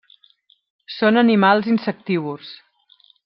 Són animals insectívors.